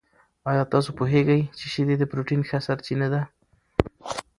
آیا تاسو پوهېږئ چې شیدې د پروټین ښه سرچینه دي؟